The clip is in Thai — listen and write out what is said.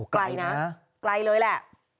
ไกลนะไกลเลยแหละ